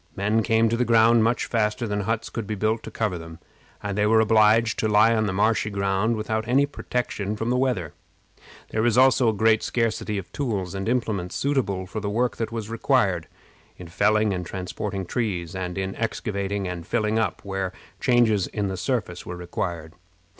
Men came to the ground much faster than huts could be built to cover them, and they were obliged to lie on the marshy ground without any protection from the weather. There was also a great scarcity of tools and implements suitable for the work that was required, in felling and transporting trees, and in excavating and filling up, where changes in the surface were required.